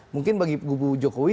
mungkin bagi gubu jokowi